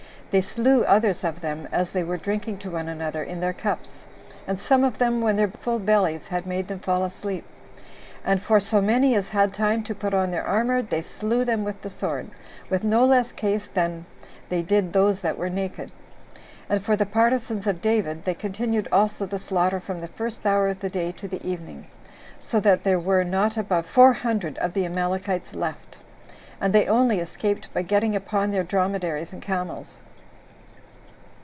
They slew others of them as they were drinking to one another in their cups, and some of them when their full bellies had made them fall asleep; and for so many as had time to put on their armor, they slew them with the sword, with no less ease than they did those that were naked; and for the partisans of David, they continued also the slaughter from the first hour of the day to the evening, so that there were, not above four hundred of the Amalekites left; and they only escaped by getting upon their dromedaries and camels.